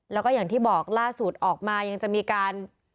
แล้วก็อย่างที่บอกล่าสุดออกมายังจะมีการ